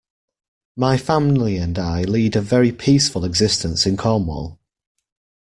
My family and I lead a very peaceful existence in Cornwall.